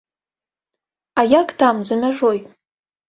А як там, за мяжой?